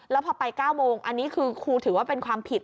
แล้วพอไป๙โมงอันนี้คือครูถือว่าเป็นความผิด